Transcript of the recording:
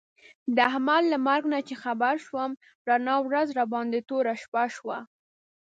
د احمد له مرګ نه چې خبر شوم، رڼا ورځ راباندې توره شپه شوله.